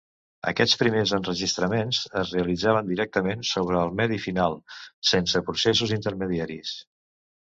Aquests primers enregistraments es realitzaven directament sobre el medi final, sense processos intermediaris.